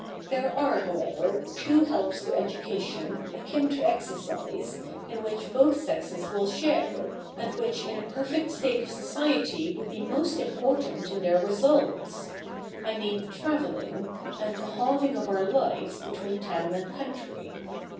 There are, however, two helps to education, akin to exercise, in which both sexes will share, and which in a perfect state of society would be most important in their results. I mean travelling, and the halving of our lives between town and country.